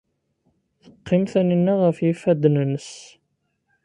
Teqqim Taninna ɣef yifadden-nnes.